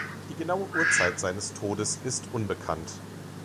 Die genaue Uhrzeit seines Todes ist unbekannt.